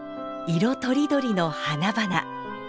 色とりどりの花々。